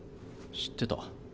知ってた？